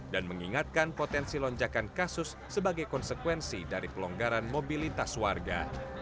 dan mengingatkan potensi lonjakan kasus sebagai konsekuensi dari pelonggaran mobilitas warga